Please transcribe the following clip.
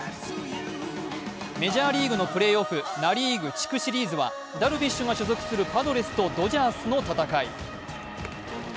メジャーリーグのプレーオフナ・リーグ地区シリーズはダルビッシュが所属するパドレスとドジャースの戦い。